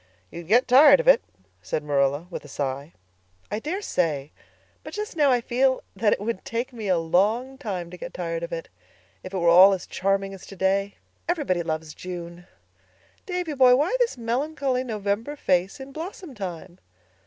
"You'd get tired of it," said Marilla, with a sigh. "I daresay; but just now I feel that it would take me a long time to get tired of it, if it were all as charming as today. Everything loves June. Davy boy, why this melancholy November face in blossom time?"